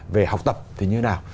về học tập thì như thế nào